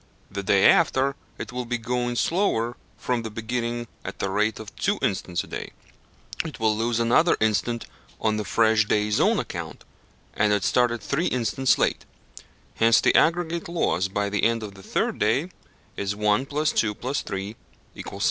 The day after, it will be going slower from the beginning at the rate of two instants a day, it will lose another instant on the fresh day's own account, and it started three instants late; hence the aggregate loss by the end of the third day is 1 + 2 + 3 = 6.